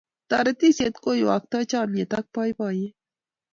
Toretisiet koywaktai chamnyet ak boiboiyet